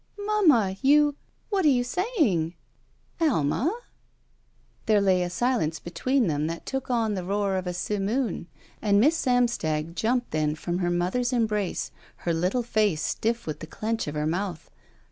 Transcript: "Mamma, you — What — are you sajdng?" ''Ahna?'' There lay a silence between them that took on the roar of a simoon and Miss Samstag jumped then from her mother's embrace, her little face stifE with the clench of her mouth.